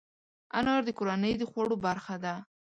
انار د کورنۍ د خوړو برخه ده.